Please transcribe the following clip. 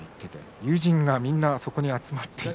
友人がみんなそこに集まっていた。